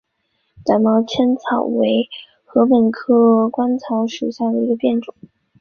短芒纤毛草为禾本科鹅观草属下的一个变种。